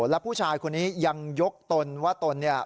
แล้วผู้ชายคนนี้ยังยกตนว่าตนเนี่ย